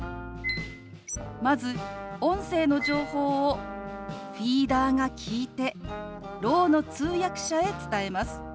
まず音声の情報をフィーダーが聞いてろうの通訳者へ伝えます。